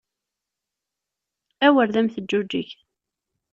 Awer d am teǧǧuǧeg!